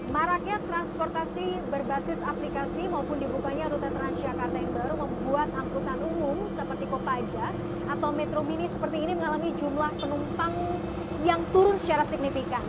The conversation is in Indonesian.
maraknya transportasi berbasis aplikasi maupun dibukanya rute transjakarta yang baru membuat angkutan umum seperti kopaja atau metro mini seperti ini mengalami jumlah penumpang yang turun secara signifikan